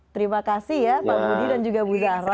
terima kasih ya pak budi dan juga bu zahra